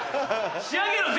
仕上げろ！